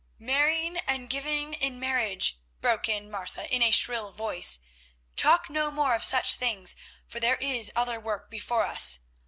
"Marrying and giving in marriage!" broke in Martha in a shrill voice. "Talk no more of such things, for there is other work before us.